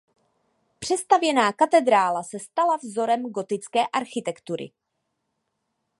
Přestavěná katedrála se stala vzorem gotické architektury.